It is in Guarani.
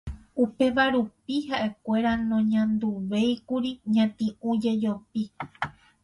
Upéva rupi ha'ekuéra noñanduvéikuri ñati'ũ jejopi